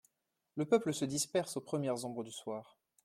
Le peuple se disperse aux premières ombres du soir.